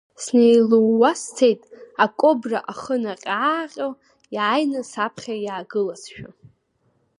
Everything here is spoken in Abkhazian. Снеилууаа сцеит, акобра ахы наҟьааҟьо иааины саԥхьа иаагылазшәа.